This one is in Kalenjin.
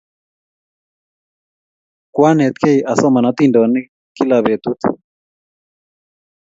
Kwanetkey asoman atindonik kila petut